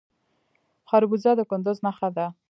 خربوزه د کندز نښه ده.